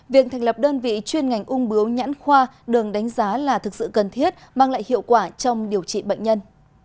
việc thành lập đơn vị chuyên ngành ung bướu nhãn khoa đường đánh giá là thực sự cần thiết mang lại hiệu quả trong điều trị bệnh nhân